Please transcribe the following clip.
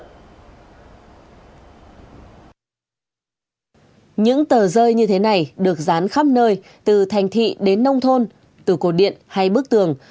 những tờ rơi như thế này được dán khắp nơi từ thành thị đến nông thôn từ cột điện hay bức tường